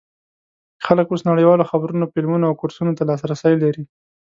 خلک اوس نړیوالو خبرونو، فلمونو او کورسونو ته لاسرسی لري.